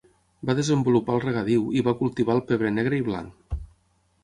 Va desenvolupar el regadiu i va cultivar el pebre negre i blanc.